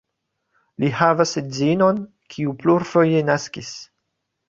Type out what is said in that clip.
Li havas edzinon, kiu plurfoje naskis.